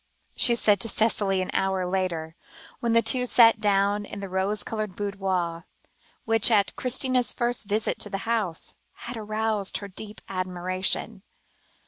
she said to Cicely an hour later, when the two sat together in the rose coloured boudoir, which, at Christina's first visit to the house, had aroused her deep admiration.